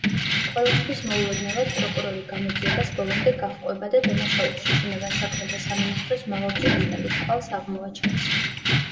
ყველასთვის მოულოდნელად, პროკურორი გამოძიებას ბოლომდე გაჰყვება და დანაშაულში შინაგან საქმეთა სამინისტროს მაღალჩინოსნების კვალს აღმოაჩენს.